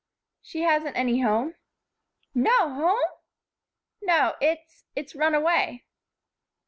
"She hasn't any home." "No home!" "No. It's it's run away."